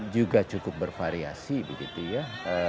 juga cukup bervariasi begitu ya